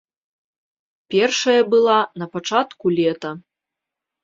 Першая была на пачатку лета.